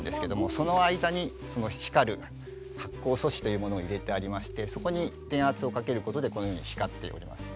その間に光る発光素子というものを入れてありましてそこに電圧をかけることでこのように光っております。